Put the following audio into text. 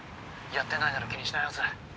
やってないなら気にしないはず。